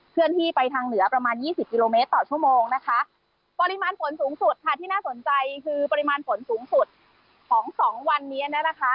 เลื่อนที่ไปทางเหนือประมาณยี่สิบกิโลเมตรต่อชั่วโมงนะคะปริมาณฝนสูงสุดค่ะที่น่าสนใจคือปริมาณฝนสูงสุดของสองวันนี้นะคะ